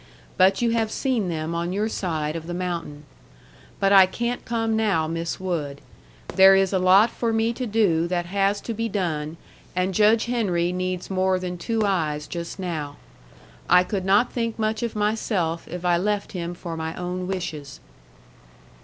But you have seen them on your side of the mountain. But I can't come now Miss Wood. There is a lot for me to do that has to be done and Judge Henry needs more than two eyes just now. I could not think much of myself if I left him for my own wishes.